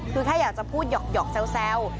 คือแค่อยากจะพูดหยอกแซว